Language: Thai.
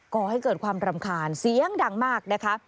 ก่อให้เกิดความรำคาญเสียงดังมากนะคะ